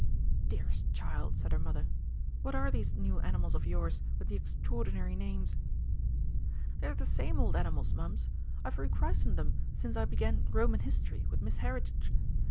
"Dearest child," said her mother, "what are these new animals of yours with the extraordinary names?" "They're the same old animals, Mums. I've rechristened them since I began Roman History with Miss Heritage.